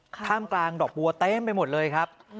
ท่ามกลางดอกบัวเต็มไปหมดเลยครับ